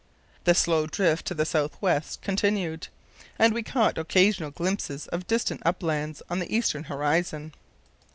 The slow drift to the south west continued, and we caught occasional glimpses of distant uplands on the eastern horizon.